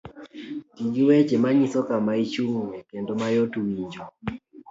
Ti gi weche manyiso kama ichung'ye kendo mayot winjo.